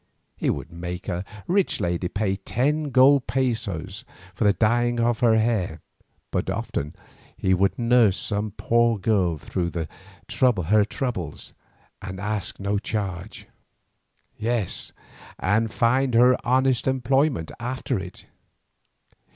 He would make a rich lady pay ten gold pesos for the dyeing of her hair, but often he would nurse some poor girl through her trouble and ask no charge; yes, and find her honest employment after it.